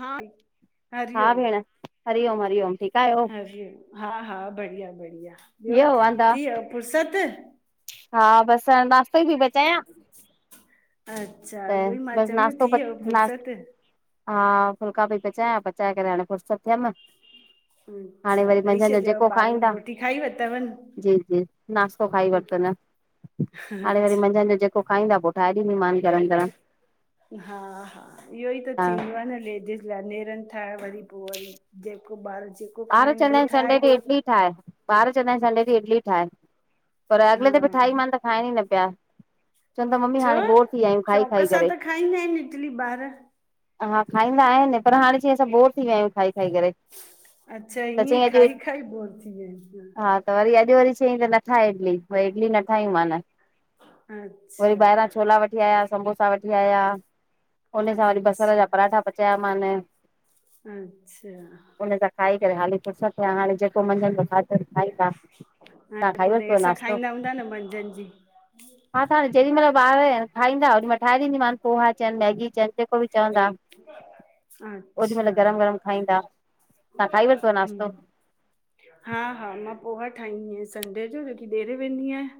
हा हा हरिओम भेण! हरिओम- हरिओम ठीकु आहियो हरिओम! हा -हा बढ़िया- बढ़िया थी ॿियो वियव वांदा थी वियव फुर्सत? हा बसि हाणे नाश्तो ई थी पई पचायां। अच्छा त उहोई मां बसि चयम न नाश्तो थी वियव नाश् फुरसत? हा फुल्का पई पचायां, पचाए करे हाणे फुर्सत थियमि। हाणे अच्छा वरी ॾेई मंझंदि जो जेको छॾियव ॿारनि खाईंदा रोटी खाई वरितनि? जी- जी नास्तो खाई वरितनि। हाणे वरी अच्छा मंझंदि जो जेको खाईंदा पोइ ठाहे ॾिदी मान गरमु-गरमु। हा- हा इहो ई त हा थींदो आहे न लेडिस या नेरनि ठाहे वरी पोइ वरी, जेको ॿार जेको ॿार खाइनि चवंदा उहो आहिनि ठाहे संडे ॾींहुं ॾे इडली ठाहे ॿार चवंदा आहिनि संडे ॾिह इडली ठाहे, पर अॻले हा दफ़े ठाहीमान त खाइन ई न पिया। चवनि था मम्मी छो हाणे बोर थी विया आहियूं खाई शौक़ -खाई सां त करे। खाईंदा आहिनि इडली ॿार हा खाईंदा आहिनि पर हाणे चवनि असां बोर थी विया आहियूं खाई खाई करे। अच्छा त इअं, चईं अॼु खाई -खाई बोर थी वयस। हा त वरी अॼु वरी चयईं त न ठाहे इडली। भई इडली न ठाहियूं मान। वरी अच्छा ॿाहिरां छोला छोला वठी आयां, समोसा वठी आया, उन सां वरी बसर अच्छा जा पराठा पचाया मान अच्छा हिननि त खाई करे फुरसत थिया हाणे जेको मझंदि जो खाधनि खाईंदा। रोटी देरि सां खाईंदा हूंदा न मंझंदि जी। हा त जेॾी मइल ॿार अहिनि खाईंदा ओॾी महिल ठाहे ॾींदीमानि पोहा चवनि मैगी चवनि जेको बि चवंदा। ओॾी मइल गरम गरम खाईंदा। तव्हां खाई वरितव नाश्तो ह्म। [unintelligible] हा। हा। मां पोहा ठाहींदी आहियां। संडे जो जेकी ॿाहिरि वेंदी आहियां।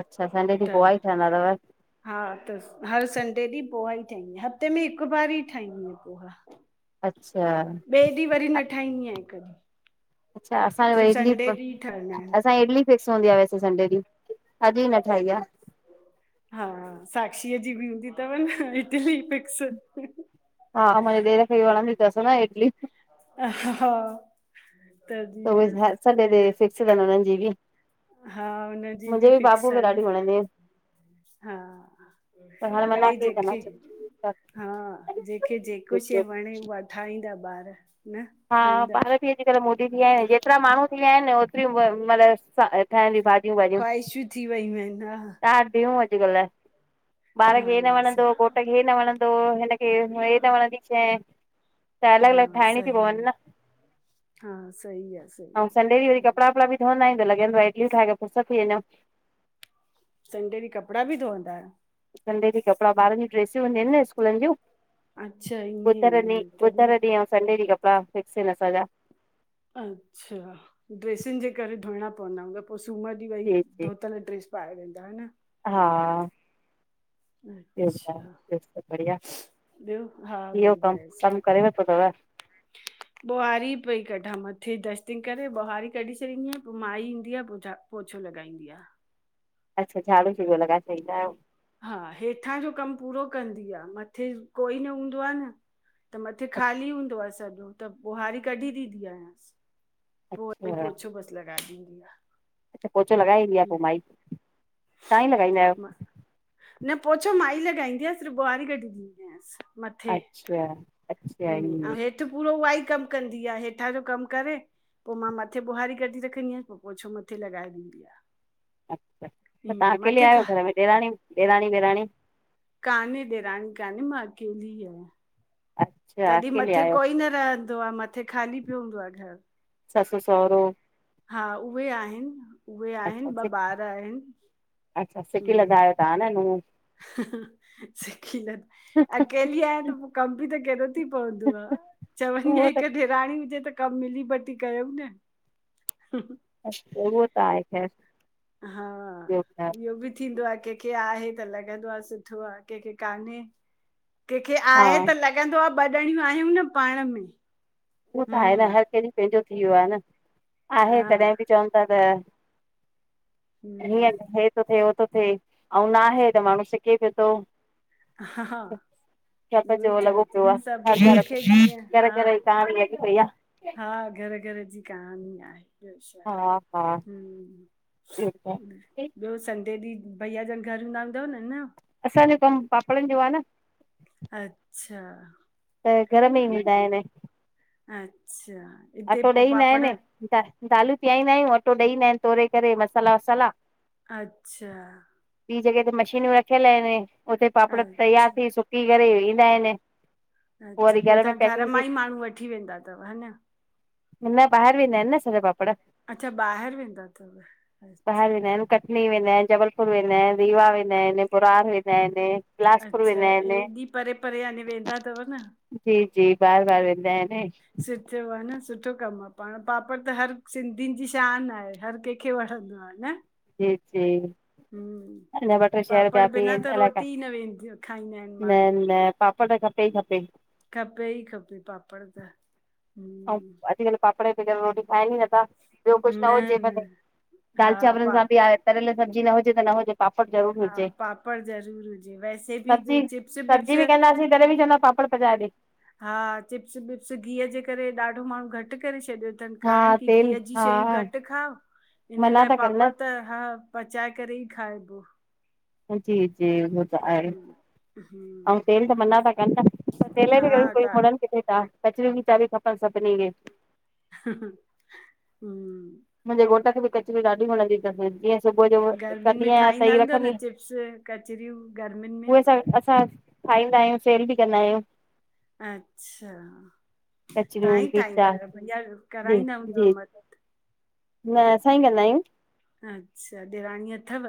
अच्छा संडे ॾींहुं त पोहा ई ठहंदा तव? हा। त हर संडे ॾींहुं पोहा ई ठाहींदी आहियां। हफ़्ते में हिकु बार ई ठाहींदी आहियां पोहा। अच्छा। ॿिए ॾींहुं वरी न ठाहंदीयां हिकु। अच्छा। असांज इडली बस ठहंदा आहिनि असां इडली। फिक्स हूंदी आ। वैसे संडे ॾींहुं अॼु ई न ठाही आ। हा। साक्षीअ जी बि हूंदी तव न इडली फिक्स। हा। माजे ॾेर खे बि वणदी तस न इडली। हा। हा। तॾहिं। सन्डे ॾीह फिक्स तन उननि जी बी। हा। उनजी बि फिक्स खे आ ॾाढी न वणंदी आहिनि हा। पर हाणे मना मिॾई कई अथनि जेखे हा जेखे जेको शइ अचो। वणे उहा। ठाहींदा ॿार। न हा। खाईंदा ॿार बि अॼुकल्ह मोदी थी विया आहिनि। जेतिरा माण्हू थी विया आहिनि। होतरईयू मदरसा। ठहदियू भाॼियूं वांॼियूं ख़्वाहिशूं थी वयूं आहिनि हा तज़ियू [unintelligible] अॼुकल्ह ॿार खे हे न वणंदो हा घोट खे हे न वणंदो। तो हिन खे हे न वणंदी शे। हा सही आ। हा सईी आहे। अउ सही आहे सन्डे ॾीहु वरी कपड़ापड़ा बि डुअन्दआ आहिनिूं। त लॻंदो आहे। इडलियु ठाहे रखुं सब थी वेन्दो। सन्डे ॾी कपड़ा बि धोअंदा आहियो? सन्डे ॾी कपड़ा बारण जी ड्रेसियूं हुंदीयु आहिनि न स्कूलनि जूं। अच्छा बुधर ईअं ॾी ईअं तॾहिं बुधर ॾीऐं सन्डे ॾी कपडा फिकस आहेन् असंजा। अच्छा। ड्रेसिनि जे करे धोइणा पवंदा हूंदव। पोइ सूमरु ॾींहुं वई जी जी धोतल ड्रेस। पाए वेदा न। हा। बयो बुदाओ अच्छा बयो सब बढ़िया। ॿियो हा इहो बढ़िया कमु आहे सभु कम करे वतो तव। [inaudible] ॿुहारी पई कढां मथे दस्तिंग करे ॿुहारी कढी छॾींदी आहिां पोइ माई ईंदी आहे पोचा पोचौ लॻाईंदी आ। अच्छा। झाडू जी उो लॻाए छॾीदा आयो? हा। हेठां जो कम पूरो कंदी आ मथे कोई न हूंदो आ न। त मथे ख़ाली हूंदो आ सॼो त ॿुहारी कढी ॾींदी आयस। पोइ उते अच्छा पोछो बस लॻाऐ ॾीदी आ। पोचो लॻाए ईंदी आहे पोइ माई? तव्हां ई लॻाईंदा आहियो? मां न पोछो माई लॻाईंदी आहे सिरफ ॿुहारी कढी ॾींदी आयसि। अच्छा? अच्छा अउ ईअं हेठि पूरो उहा ई कमु कंदी आहे। हेठां जो कमु करे। पोइ मां मथे ॿुहारी कढी रखंदी आहिया पो पोइछो मथे लॻाए ॾींदी आ। अच्छा। त तव्हां ईअं अकेले मथे खा आहियो घर में ॾेराणी ॾेराणी वेराणी। कान्हे ॾेराणी कान्हे मां अकेली ई आहियां। [unintelligible] तॾहिं अकेले मथे आहियो कोई न रहंदो आहे, मथे खाली पियो हूंदो आहे घरु ससु- सउरो हा उहे आहिनि, उहे आहिनि अच्छा ॿ सिक ॿार आहिनि। ता ला न [unintelligible] सि खिलनि [unintelligible] अकेली आहियां, त पोइ कमु बि त केॾो थी पवंदो आहे। चवंदी आहियां उहो त हिक ॾिराणी हुजे त कमु मिली बटी कयऊं न? अच्छा उहो त आहे ख़ैर हा, ॿियो ॿुधायो इहो बि थींदो आहे, कंहिंखे आहे त लॻंदो आहे सुठो आह। कंहिंखे कान्हे कंहिंखे हा आहे, त लॻंदो आहे ॿ ॾणियूं आहियूं न पाण में उहो त आहे न, हम्म हर कंहिं ॾींं पंहिंजो थी वियो आहे न आहे हा तॾहिं बि [unintelligible] चवनि था त हम्म हीअर [unintelligible] थिए उह थो थिए, ऐं ना आहे त माण्हू सिके पियो थो। हा छा ता उहो ई चओ लॻो चवां थी पियो न आह। सभु हर घर जंहिंखे में, जीअं हा घर-घर ई वही भईया [unintelligible] हा घर- घर जी कहाणी आहे। ब्यो शा, अ हा हा ह्म इहो त [unintelligible] आहे ॿियो संडे ॾींहुं भइया जनि, घर न हूंदा हूंदव न? असांजो कमु पापड़नि जो आहे न। अच्छा त घर में ई हूंदा आहिनि। अच्छा हिते अटो पो ॾेईं ईंदा पापड़ आहिनि, द दालूं पीहाईंदा आहियूं, अटो ॾेईं ईंदा आहिनि तोरे करे, मसाल्हा- वसाल्हा अच्छा ॿी जॻह ते मशीनयूं रखियल आहिनि, उते पापड़ तयार अच्छा थी, सुकी करे ईंदा आहिनि। अच्छा वरी पोइ में तव्हां, घर पैकिंग मां थी ई माण्हू वठी वेंदा तव, हा न न ॿाहिर वेंदा आहिनि न, असांजा पापड़ अच्छा ॿाहिरि वेंदा अथव? ॿाहिरि अच्छा वेंदा आहिनि कटनी वेंदा आहिनि, जबलपुर वेंदा आहिनि रीवा वेंदा आहिनि, बुरार वेंदा आहिनि। बिलासपुर अच्छा वेंदा आहिनि एॾी परे- परे यानि वेंदा थव न जी- जी, बारु- बारु वेंदा आहिनि। सुठो आहे न, सुठो कमु आहे पाण पापड़ त हर सिंधियुनि जी शानु आहे। हर कंहिंखे वणंदो आहे न जी जी [unintelligible] हम्म अञां ॿ टे शयर पापड़ ॿिया बि बिना त आहिनि, लाइ रोटी ई न वेंदी खाईंदा आहिनि माण्हू न- न पापड़ खप त ई खपेनि [unintelligible] खपे ई खपे, पापड़ त ह हम्म अॼ कल्ह पपड़ बिगरु रोटी खाए ई न ॿियो कुझु न हुजे, भ दाल हा चांवरनि पा सां बि आहे तरियल सब्जी न हुजे त न हुजे पापड़ ज़रूर हा हुजेे, पापड़ ज़रूर हुजे वैसे बि सब्जी चिप्स विप्स -सब्जी बि कहंदासीं, तॾहिं बि चवंदा पापड़ पचाए ॾे हा चिप्स- विप्स गीह जे करे, ॾाढो माण्हू घटि करे छॾियो थनि ॾे खाइण हा की तेल गीह जी हा शयूं घटि खाओ, इन मना लाइ था कनि पापड़ न त हा पचाए करे ई खाइबो जी, जी उहो त आहें हम्म अउ हम्म पहेरे त मना था कन ता। त् तेल हा जे करे कोई ॾा मनन किथे था कचरियूं भी चालिऐ खपन सभीनिन खे। हृहृह ह्म्म्अ मुहिंजे घोट खे बि कचरियूं ॾाढी वणंदी तस जीअं सुबह जो गर्मियुनि कंदी में आहयां ठाहींदा तई हूंदव न रखंदी आ, चिप्स कचरियूं गर्मियुनि में उहे सभ असां खाईंदा आहयूं सेल भी कंदा आयूं। अच्छा, तहां कचरियूं ई ठाहींदा खीचा आहयो भैया बि जी कराईंदा जी हूंदव मदद! न असां ई कंदा आयूं। अच्छा, देराणी अथव।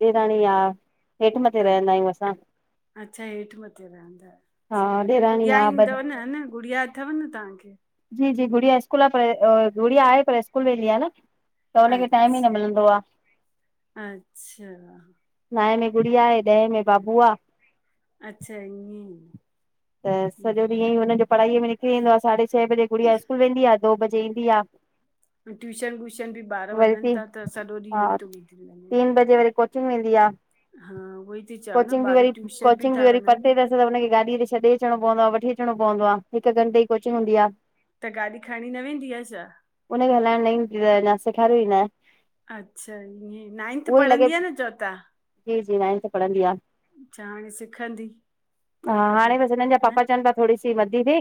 देराणी हां, हेठ मथे अ- रहंदा आहयूं असां। अच्छा हेठ मथे रहंदा आयो हा अच्छा, ॾेराणी गुड़िया आहे ब ईंदव न हन् गुड़िया अथव न ताहांखे। जी, जी गुड़िया स्कूल आह पै गुड़िया आहे पर स्कूल वेंदी आ न। त हुनखे टाइम ई न मिलंदो आहे अच्छा-अच्छा नाऐ में गुड़िया आहे ॾहें में बाबू आ। अच्छा ईए त सॼो ॾीहं ईयइ हुनजो पढ़ाईअ में निकरी वेंदो आ, साढ़े छे बजे गुड़िया स्कूल वेंदी आ दो बजे ईंदी आ। ट्यूशन व्यूशन बि बार वरी वनन ती ता त सॼो ॾीह ईय थो निकरी वञें। हिंनजे वरी को कोचिंग वेंदी आ उहो ई थी चवां न कोचिंग बि ॿार वरी, ट्यूशन कोचिंग बि था वरी वञनि न परते तस त हुनखे गाॾी ते छॾे अचणो पवंदो आह वठी अचणो पवंदो आह हिक घंटे जी कोचिंग हूंदी आ। त गाॾी खणी न वेंदी आ छा। हुनखे हलायण न ईंदी तस अञां सेखारयो ई न आहे। अच्छा ईए, नाइंथ पढ़ंदी आ न चवोता। जी-जी नाइंथ पढ़ंदी आ। अच्छा हाणे सीखंदी हूआ बि! हिनन जा न पापा चवन पया थोड़ी सी वॾी थे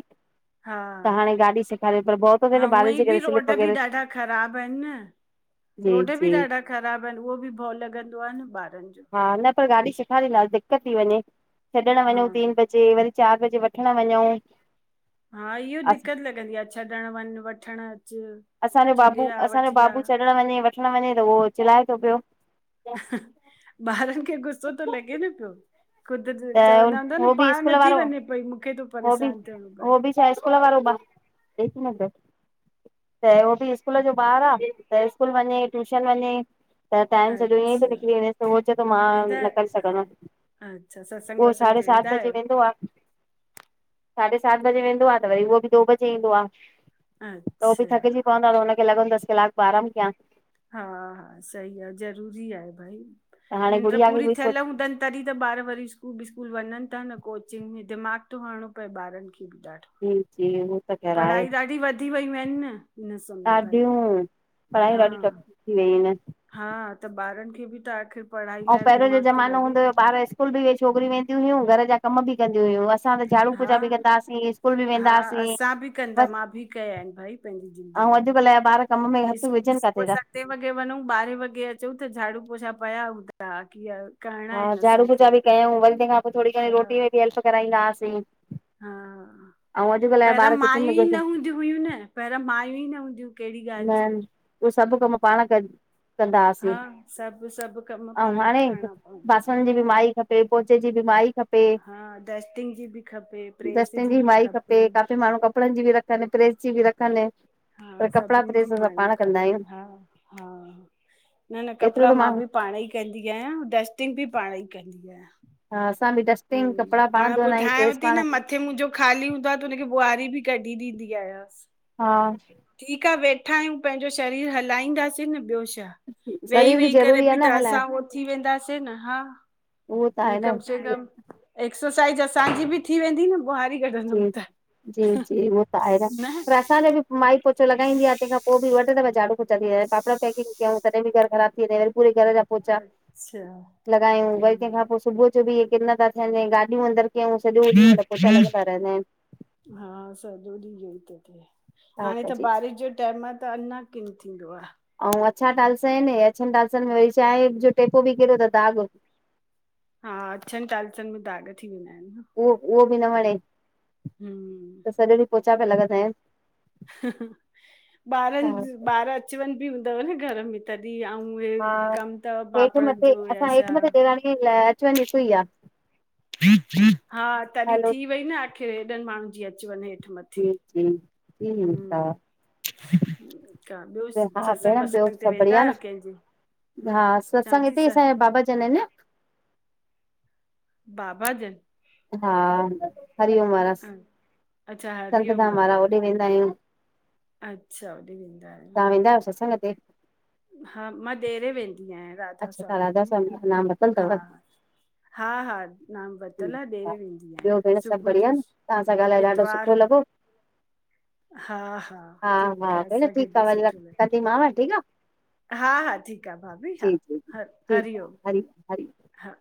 हा त हाणे गाॾी सिखारे पर भओ तो थे हा न हूअं बारिश ई जे बि करे स्लिप रोड बि वग़ैरे ॾाढा ख़राब आहिनि न रोड बि जी-जी ॾाढा ख़राब आयेन उहो बि भओ लंगदो आ न बारन जो हां न त गाॾी सेखारी दांस दिक्कत थी वञे छॾण हा वनऊ तीन बज जे वरी चार बजे वठण वनऊ। हा इय दिक्कत लगंदी आह छॾण वन वठण अच! असांजो छॾे बाबू, आ असायो वठी आ बाबू छॾण वञे वठण वञे त उहो चिल्लाए तो प्यो। अहह्ह बारन खे गुस्सो तो लगे न प्यो। ख़ुद त चवंदा हूंदा न उहो बि पाण स्कूल नथी वारो वञे पई मूखे तो उहो परेशान बि थियणो पए हो भी छा स्कूल वारो बार, एक मिनट बैठ त हो भी स्कूल जो बार आ त स्कूल वञें ट्यूशन वञे। त टाइम सॼो ईंअइ तो अच्छा निकरी वनेस त उहो चए तो मां वेंदा न करे सगदम। अच्छा सत्संग उओ वत्संग साढ़े ते सात वेंदा आहियो बजे वेंदो आ साढ़े सात बजे वेंदो आ त वरी उओ बि दो बजे ईंदो आ त हो अच्छा बि थकजी पव पर हुन खे लगंदो तस क्लाक‌ ॿ आराम कया। हां-हा सही आ ज़रूरी आहे भाई त हाणे निंड्र गुड़िया खे पूरी उहोई थियल हूंदन तॾही त बार वरी स्कूल विस्कूल वञन ता न कोचिंग में दिमाग़ तो हणो पए बारन खे भी ॾाढो। ह्म्म् सही आ न। त घर आए, पढ़ाई ॾाढी वधी वियूं आहिनि न हिन समय भाई ॾाढियूं पढ़ायूं हा ॾाढी टफ थी व्यूह आहिन। हा त ॿारन खे बि त आख़िर पढ़ाई अऊं लाइ पेरों जो दिमाग़ थो ज़मानो लॻे हूंदो होयो, ॿार स्कूल बि वेई छोकरियूं वेंदी हुयूं, घर जा कम बि कंदी हुयूं, असां असां त झाड़ू पोचा हा बि कंदासी स्कूल बि वेंदा हा आसीं असां बि कंदा बस मां बि कया आहिनि भाई पंहिंजी अऊं ज़िंदगीअ में अॼकल जा ॿार कम में हथ स्कूल विझन सुबुह काथे त। सते वॻे वञूं ॿारे वॻे अचूं त झाड़ू पोछा पया हूंदा हा की हा हा झाड़ू पोचा बि कयऊं वरी तेंखां पो थोड़ी घणी हा रोटी में बि हेल्प कराईंदा आसीं। हा अऊं अॼुकल जा ॿार किचन में सिर्फ त हुयूं न पहरिया मायूं ई न हूंदियूं। कहिड़ी ॻाल्हि जी न उओ सब कम पाण कन कंदा आसी, हा सभु सभु कम अऊं पाण खे हाणे करणा पवंदा हुआ। बासण जी बि माई खपे पोचे जी बी मांंई खपे। पे, हा डस्टिंग जी बि खपे प्रेस डस्टिंग जी बि माई खपे, काफी माण्हू कपड़न जी बि र त न प्रेस जी बि रखन। हुनजी मांई खपन हा हा न न एतिरो कपड़ा त मां माण्हू बि पाण ई कंदी आयां डस्टिंग बि पाण ई कंदील आया। हा असां बि टेस्ट हम्म, पाण ॿुधायांव ती न म हथ मुंजो ख़ाली हूंदो आ त हुनखे ॿुहारी बि कढी ॾींदी आयांस। हा। ठीक आ वेठा आयूं, पैंजो शरीर हलाईंदासीं न ॿियो छा। वेही शरीर बि वेही करे ज़रूरी आहे बि न त असां हलाइण हो थी वेंदासीं न हा उओ त ईअं आहे न। कम एक्सरसाइज़ असांजी बि थी वेंदी न ॿुहारी कढंदम जी त, जी जी उहो त आहे न पर असांजो बि माई पोछो लॻाईंदी आ तेंखां पो बि वरी ॿ टे दफा झाड़ू पोचा थी वेंदा, पापड़ पैकिंग कयूं, तॾी बि घर ख़राब थी वने, पूरे घर जा पोचा अच्छा लॻायूं, वरी तेंखा पो सुबु कुछ बि किन ता थियन, गाॾियूं अंदर कयूं, सॼो किन ता थियन पोंचा लगंदा रहंदा आईन। हा सॼो ॾींह इहो ई तो थे, छा हाणे त कजे बारिश जो टाइम आ त अञा किन थींदो आ। आऊं अछा टाईल्स आहिनि, अछनि टालसनि में वरी छाए जो टेपो बि किरयो त दाग। हा अछनि टायलसन में दाग थी वेंदा आहिन न। उहो उहो बि न वणे, हम्म। त सॼो ॾींहुं पोचा पिया लॻंदा आहिनि। ॿारनि ॿार अच वञु बि हूंदव न घर में। तॾहिं आऊं इहे हा कमु त पापड़नि जो या छा ण [unintelligible] चंड हिक ही आ। हा तॾी हलो थी वई न आख़िर हेॾनि माण्हुनि जी अच वञु हे ठ मथे, जी जी जी ठीकु आहे हम्म। क आ ॿियो हा भेण सत्संग ॿियो बत्संग ते सभु वेंदा बढ़िया न आहियो कंहिंजे? हा चवां सत्संग थी हिते ई स असांजा बाबा जन आहिनि। बाबा जन। हा हरिओम वारा, अच्छा हरिओम संतधाम वारा होॾे वेंदा आहियूं। अच्छा होॾे वेंदा तव्हां वेंदा आहियो सत्संग ते? हा मां ॾेरे वेंदी आहियां राधा अच्छा तव्हां स्वामी राधा में जो नाम वरितलु हा। अथव हा -हा, नाम वरतल आ ठीकु डेरे वेंदी आहे आहियां, ॿियो भेण सभु सुबुह बढ़िया जो न तव्हां सां ॻाल्हाए ॾाढो इतवार सुठो लॻो हा -हा ठीकु आ असांखे बि सुठो ल जी मां ठीकु आ? हा -हा ठीकु आ भाभी हा जी जी जी हर ठीकु हरिओम आ हरि ओम हरि ओम हा।